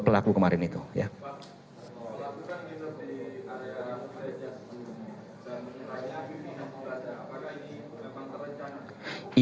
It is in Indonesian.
pak pelaku kan di area karya jasimu dan menyerahnya apakah ini berlaku terencana